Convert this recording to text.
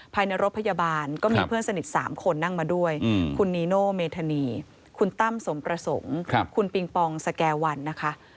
ภายในรถพยาบาลก็มีเพื่อนสนิท๓คนนั่งมาด้วยคุณนีโนเมธานีคุณตั้มสมประสงค์คุณปิงปองสแก่วันนะคะ